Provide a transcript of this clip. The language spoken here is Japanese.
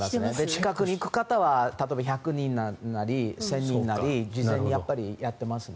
近くに行く方は１００人なり、１０００人なり事前にやってますね。